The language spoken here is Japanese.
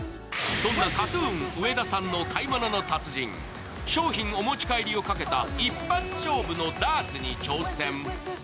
そんなＫＡＴ−ＴＵＮ上田さんの「買い物の達人」商品お持ち帰りをかけた一発勝負のダーツに挑戦。